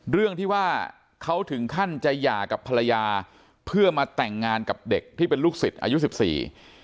เรื่องที่ว่าเขาถึงขั้นจะหย่ากับภรรยาเพื่อมาแต่งงานกับเด็กที่เป็นลูกศิษย์อายุสิบสี่